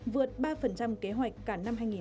vượt ba kế hoạch